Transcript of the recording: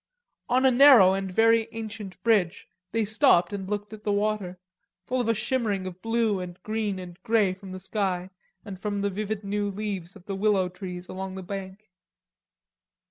On a narrow and very ancient bridge they stopped and looked at the water, full of a shimmer of blue and green and grey from the sky and from the vivid new leaves of the willow trees along the bank.